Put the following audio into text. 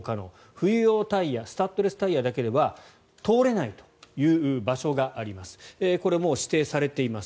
冬用タイヤスタッドレスタイヤだけでは通れないという場所があります。